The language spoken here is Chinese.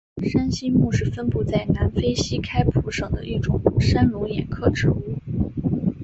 山栖木是分布在南非西开普省的一种山龙眼科植物。